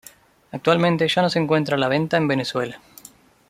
Actualmente ya no se encuentra a la venta en Venezuela.